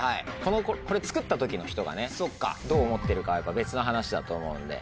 これ作った時の人がねどう思ってるかはやっぱ別な話だと思うんで。